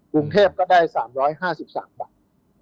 กรุงเทพก็ได้๓๕๓บาท